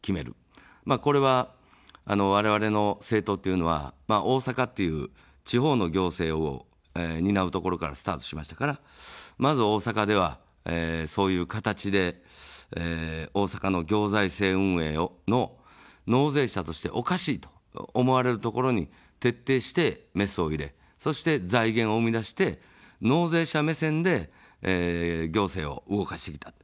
これは、われわれの政党というのは大阪という地方の行政を担うところからスタートしましたから、まず大阪では、そういう形で、大阪の行財政運営の納税者としておかしいと思われるところに徹底してメスを入れ、そして財源を生み出して納税者目線で、行政を動かしてきた。